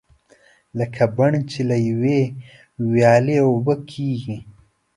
لکه بڼ چې له یوې ویالې اوبه کېږي.